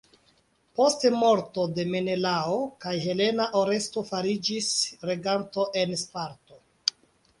Post morto de Menelao kaj Helena Oresto fariĝis reganto en Sparto.